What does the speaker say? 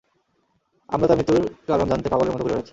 আমরা তার মৃত্যুর কারণ জানতে পাগলের মতো ঘুরে বেড়াচ্ছি।